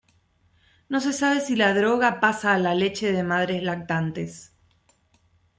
No se sabe si la droga pasa a la leche de madres lactantes.